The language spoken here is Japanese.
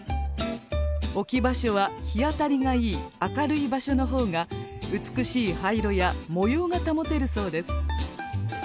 置き場所は日当たりがいい明るい場所の方が美しい葉色や模様が保てるそうです。